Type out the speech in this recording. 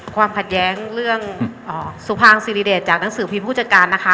ความขัดแย้งเรื่องสุภางศิริเดชจากหนังสือพิมพ์ผู้จัดการนะคะ